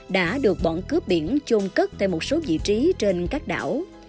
đã được bọn cướp biển chôn cất tại một số vị trí trên các đảo